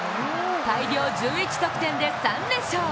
大量１１得点で３連勝。